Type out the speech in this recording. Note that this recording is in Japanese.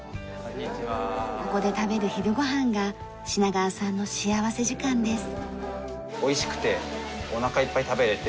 ここで食べる昼ご飯が品川さんの幸福時間です。